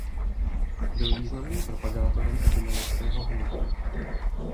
Byl významným propagátorem ekumenického hnutí.